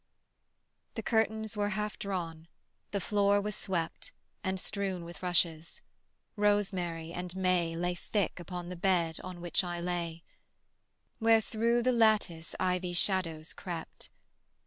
The curtains were half drawn, the floor was swept And strewn with rushes, rosemary and may Lay thick upon the bed on which I lay, Where through the lattice ivy shadows crept.